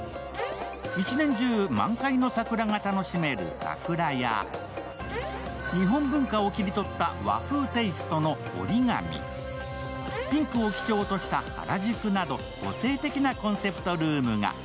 １年中満開の桜が楽しめるＳＡＫＵＲＡや日本文化を切り取った和風テイストのＯＲＩＧＡＭＩ、ピンクを基調としたＨＡＲＡＪＵＫＵなど、個性的なコンセプトルームが。